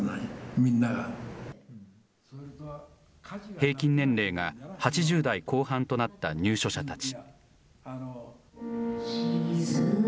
平均年齢が８０代後半となった入所者たち。